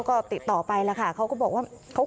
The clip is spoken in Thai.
ก็ติดต่อไปแล้วค่ะเขาก็บอกว่า